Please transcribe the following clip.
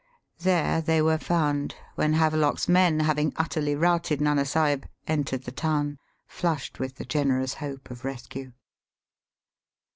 There they were found when Havelock's men, having utterly routed Nana Sahib, entered the town, flushed with the generous hope of rescue.